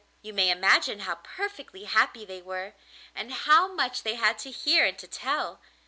You may imagine how perfectly happy they were, and how much they had to hear and to tell.